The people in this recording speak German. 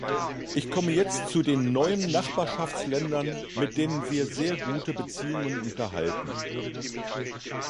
Ich komme jetzt zu den neuen Nachbarschaftsländern, mit denen wir sehr gute Beziehungen unterhalten.